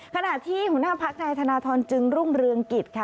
ขณะที่หัวหน้าพักนายธนทรจึงรุ่งเรืองกิจค่ะ